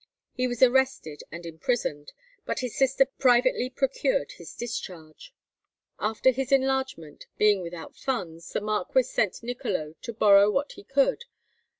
He was arrested and imprisoned, but his sister privately procured his discharge. After his enlargement, being without funds, the marquis sent Niccolo to borrow what he could.